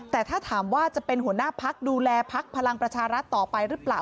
แต่ถ้าถามว่าจะเป็นหัวหน้าพักดูแลพักพลังประชารัฐต่อไปหรือเปล่า